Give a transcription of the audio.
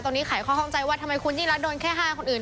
ตอนนี้ขายข้อข้องใจว่าทำไมคุณยิ่งรักโดนแค่๕คนอื่น